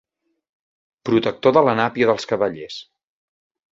Protector de la nàpia dels cavallers.